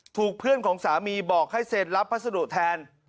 ถูกเพื่อนของสามีบอกให้เซ็นรับพัสดุแทน